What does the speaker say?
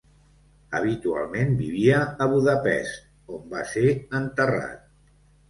Habitualment vivia a Budapest, on va ser enterrat.